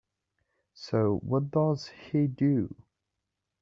So what does he do?